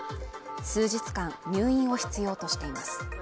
数日間入院を必要としています。